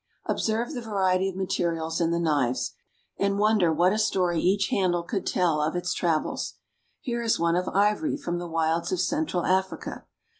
Observe the variety of materials in the knives, and wonder what a story each handle could tell of its travels. Here is one of ivory from the wilds of Central Africa.